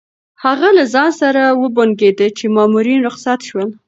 هغه له ځان سره وبونګېده چې مامورین رخصت شول.